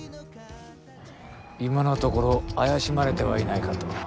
今のところ怪しまれてはいないかと。